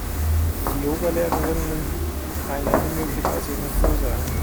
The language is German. Die Yoga-Lehrerin nimmt eine unmöglich aussehende Pose ein.